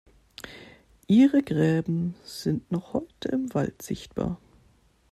Ihre Gräben sind noch heute im Wald sichtbar.